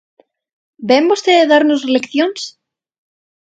¿Vén vostede darnos leccións?